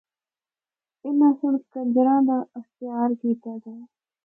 اِناں سنڑ کنجراں دا اختیار کیتا دا ہے۔